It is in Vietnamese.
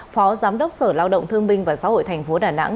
phó giám đốc sở lao động thương minh và xã hội thành phố đà nẵng